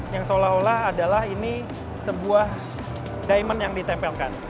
yang seolah olah adalah ini sebuah diamond yang ditempelkan